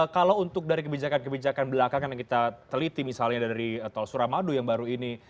kalau untuk dari kebijakan kebijakan belakangan yang kita teliti misalnya dari tol suramadu yang baru ini